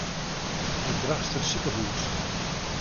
It Drachtster sikehûs.